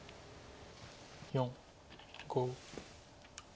４５。